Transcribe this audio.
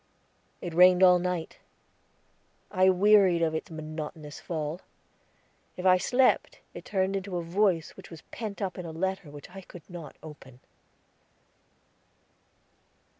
It rained all night; I wearied of its monotonous fall; if I slept it turned into a voice which was pent up in a letter which I could not open.